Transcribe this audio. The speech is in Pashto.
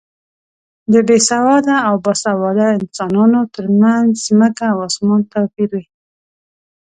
د بې سواده او با سواده انسانو تر منځ ځمکه او اسمان توپیر وي.